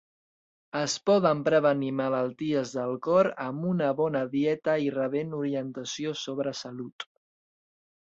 Es poden prevenir malalties del cor amb una bona dieta i rebent orientació sobre salut.